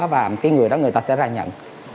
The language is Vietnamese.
và cái người đó người ta sẽ ra nhận